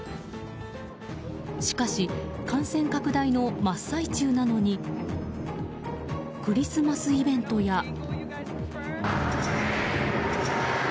しかし感染拡大の真っ最中なのにクリスマスイベントや。